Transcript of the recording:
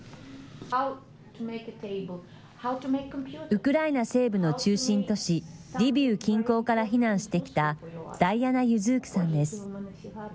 ウクライナ西部の中心都市、リビウ近郊から避難してきたダイアナ・ユズークさんです。